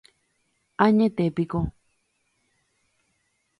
Añetépiko